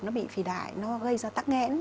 nó bị phì đại nó gây ra tắc nghẽn